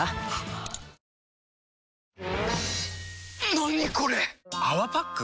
何これ⁉「泡パック」？